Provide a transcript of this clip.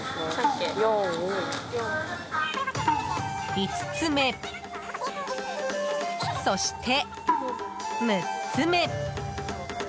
５つ目、そして、６つ目。